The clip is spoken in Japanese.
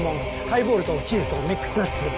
ハイボールとチーズとミックスナッツ。